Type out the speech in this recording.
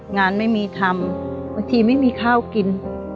งานไม่มีทำบางทีไม่มีข้าวกิน